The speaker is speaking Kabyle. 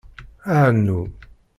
Ɛnu.